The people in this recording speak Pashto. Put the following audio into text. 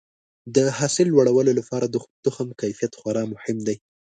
د حاصل لوړولو لپاره د تخم کیفیت خورا مهم دی.